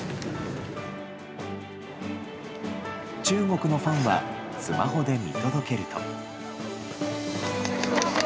中国のファンはスマホで見届けると。